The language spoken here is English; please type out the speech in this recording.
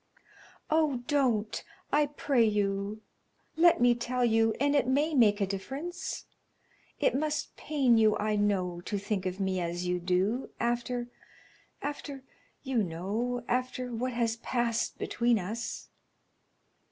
"Oh! don't! I pray you. Let me tell you, and it may make a difference. It must pain you, I know, to think of me as you do, after after you know; after what has passed between us."